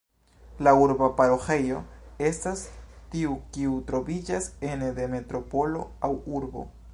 La urba paroĥejo estas tiu kiu troviĝas ene de metropolo aŭ urbo.